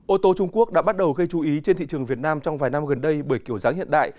ô tô trung quốc đã bắt đầu gây chú ý trên thị trường việt nam trong vài năm gần đây bởi kiểu dáng hiện đại